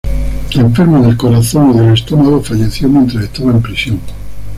Enfermo del corazón y del estómago, falleció mientras estaba en prisión.